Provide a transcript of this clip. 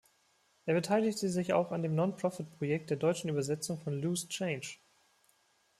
Er beteiligte sich auch an dem Non-profit-Projekt der deutschen Übersetzung von Loose Change.